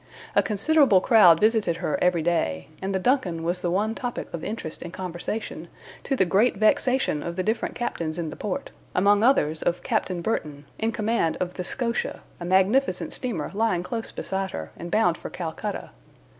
A considerable crowd visited her every day, and the DUNCAN was the one topic of interest and conversation, to the great vexation of the different captains in the port, among others of Captain Burton, in command of the SCOTIA, a magnificent steamer lying close beside her, and bound for Calcutta.